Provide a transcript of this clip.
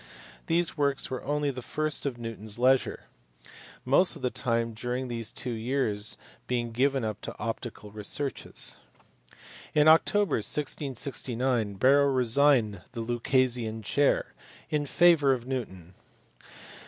These works were only the fruit of Newton s leisure ; most of his time during these two years being given up to optical researches. In October, 1669, Barrow resigned the Lucasian chair in I O favour of Newton.